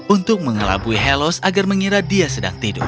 untuk mengelabui helos agar mengira dia sedang tidur